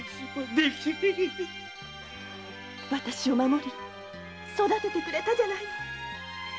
私を守り育ててくれたじゃないの。